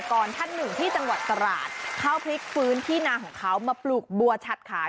ก่อนท่านหนึ่งที่จังหวัดตราดเขาพลิกฟื้นที่นาของเขามาปลูกบัวฉัดขาย